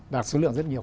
đạt số lượng rất nhiều